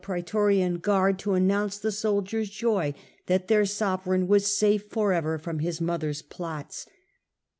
praetorian guard to announce the soldiers' joy that their sovereign was safe for ever from his mother's plots.